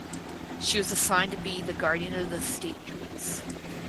She was assigned to be the guardian of the state jewels.